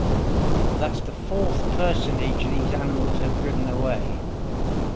That’s the fourth personage these animals have driven away.